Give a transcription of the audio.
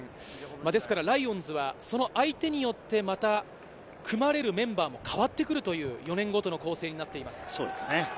ですからライオンズはその相手によって、また組まれるメンバーも変わってくるという、４年ごとの構成になっています。